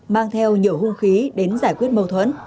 mang theo nhiều hung khí đến giải quyết mâu thuẫn